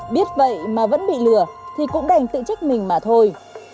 biết vậy mà vẫn bị lừa thì cũng đành tự trích mình mà thôi